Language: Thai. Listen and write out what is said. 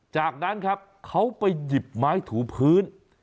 จากนั้นครับเขาไปหยิบไม้ถูพื้น